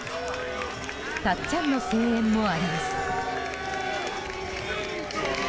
たっちゃんの声援もあります。